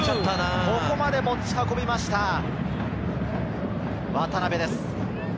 ここまで持ち運びました、渡辺です。